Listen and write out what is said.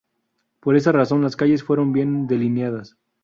Por esa razón las calles fueron bien delineadas.